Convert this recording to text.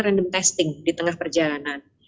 random testing di tengah perjalanan